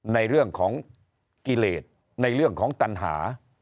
ในเรื่องของกิเลสในเรื่องของตันหา